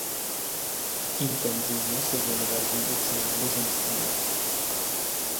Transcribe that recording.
Intenzivně se věnoval výuce náboženství.